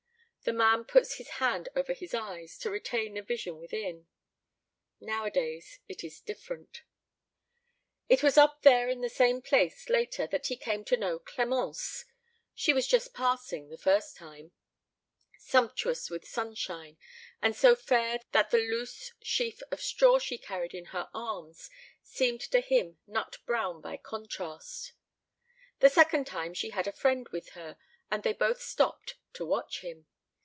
The man puts his hand over his eyes, to retain the vision within. Nowadays, it is different. It was up there in the same place, later, that he came to know Clemence. She was just passing, the first time, sumptuous with sunshine, and so fair that the loose sheaf of straw she carried in her arms seemed to him nut brown by contrast. The second time, she had a friend with her, and they both stopped to watch him.